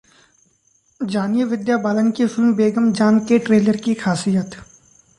जानिए विद्या बालन की फिल्म 'बेगम जान' के ट्रेलर की खासियत